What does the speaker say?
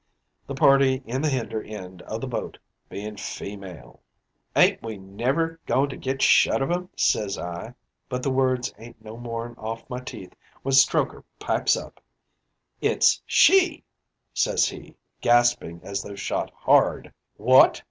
The party in the hinder end o' the boat bein' feemale. "'Ain't we never goin' to git shut of 'em?' says I; but the words ain't no more'n off my teeth when Strokher pipes up: "'It's she,' says he, gaspin' as though shot hard. "'Wot!'